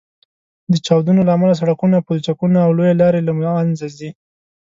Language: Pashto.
د چاودنو له امله سړکونه، پولچکونه او لویې لارې له منځه ځي